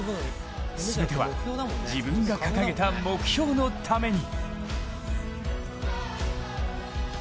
全ては自分が掲げた目標のために。